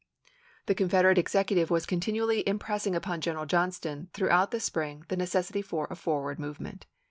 The Confederate executive was continually impressing upon General Johnston, throughout the spring, the necessity for a forward movement.